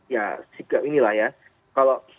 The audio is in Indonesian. ya sikap inilah ya